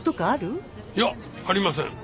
いやありません。